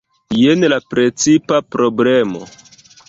Jen la precipa problemo.